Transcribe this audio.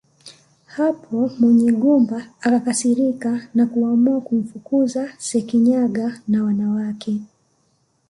Hapo Munyigumba akakasirika na kuamua kumfukuza Sekinyaga na mwanawe